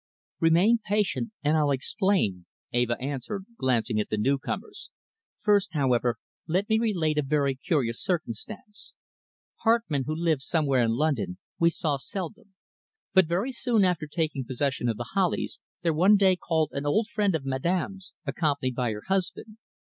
"Remain patient and I'll explain," Eva answered, glancing at the new comers. "First, however, let me relate a very curious circumstance. Hartmann, who lived somewhere in London, we saw seldom, but very soon after taking possession of The Hollies, there one day called an old friend of Madame's, accompanied by her husband.